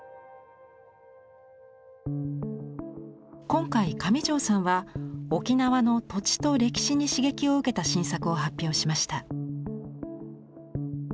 今回上條さんは沖縄の土地と歴史に刺激を受けた新作を発表しました。